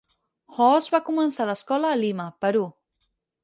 Hawes va començar l'escola a Lima, Perú.